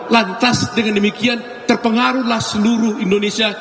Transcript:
lantas dengan demikian terpengaruhlah seluruh indonesia